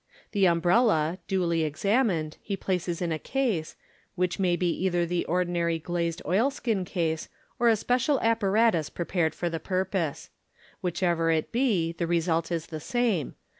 The umbrella, duly examined, he places in a case, which may be either the ordinary glazed oilskin case, or a special apparatus prepared for the purpose. Whichever it be, the result is the same.